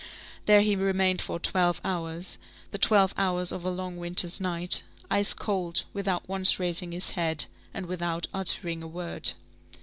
There he remained for twelve hours, the twelve long hours of a long winter's night, ice cold, without once raising his head, and without uttering a word.